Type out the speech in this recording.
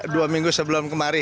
dua minggu sebelum kemarin